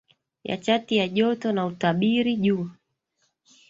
ya chati ya joto na utabiri juu